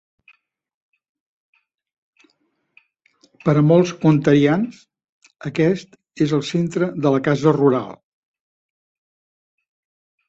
Per a molts ontarians, aquest és el centre de la casa rural.